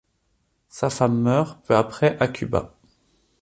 Sa femme meurt peu après à Cuba.